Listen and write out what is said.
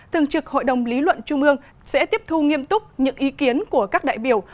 thường trực hội đồng lý luận trung ương sẽ tiếp thu nghiêm túc những ý kiến của các đại biểu